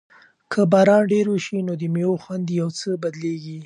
که باران ډېر وشي نو د مېوو خوند یو څه بدلیږي.